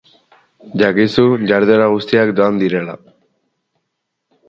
Jakizu jarduera guztiak doan direla.